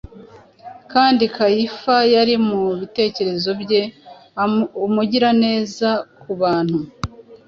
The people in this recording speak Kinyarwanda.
Kandi Kayifa yari mu bitekerezo bye Umugiraneza ku bantu.